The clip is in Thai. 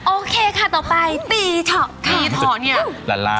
โอเคค่ะต่อไปปีท้อค่ะ